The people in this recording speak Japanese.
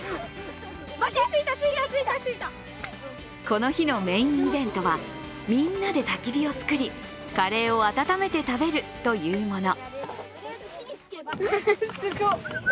この日のメインイベントは、みんなでたき火を作り、カレーを温めて食べるというもの。